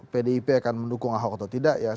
pdip akan mendukung ahok atau tidak ya